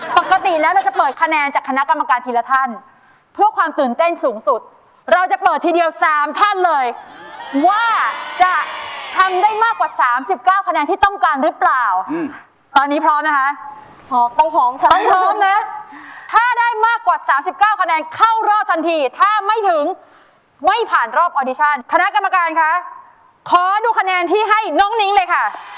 ปกติแล้วเราจะเปิดคะแนนจากคณะกรรมการทีละท่านเพื่อความตื่นเต้นสูงสุดเราจะเปิดทีเดียว๓ท่านเลยว่าจะทำได้มากกว่าสามสิบเก้าคะแนนที่ต้องการหรือเปล่าตอนนี้พร้อมไหมคะพร้อมต้องพร้อมค่ะต้องพร้อมนะถ้าได้มากกว่าสามสิบเก้าคะแนนเข้ารอบทันทีถ้าไม่ถึงไม่ผ่านรอบออดิชั่นคณะกรรมการคะขอดูคะแนนที่ให้น้องนิ้งเลยค่ะ